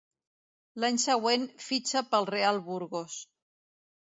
L'any següent fitxa pel Real Burgos.